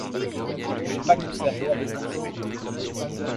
Il n’est pas conservé à la fin de saison.